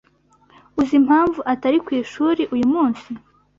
Uzi impamvu atari ku ishuri uyu munsi?